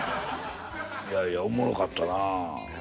いやいやおもろかったな。